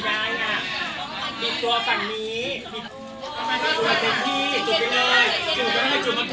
จุกไม่อยาก